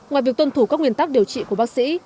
ngoài việc tuân thủ các nguyên tắc điều trị của bác sĩ